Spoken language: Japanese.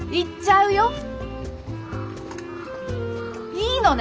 いいのね？